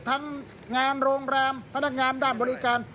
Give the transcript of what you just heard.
ทั้งงานโรงแรมพนักงานด้านบริการ